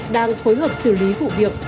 đang phối hợp xử lý vụ việc